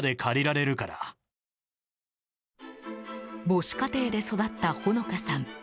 母子家庭で育った穂野香さん。